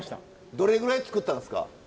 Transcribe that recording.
どれぐらい作ったんですか？